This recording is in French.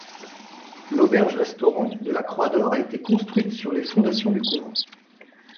L’auberge-restaurant De la Croix d’Or a été construite sur les fondations du couvent.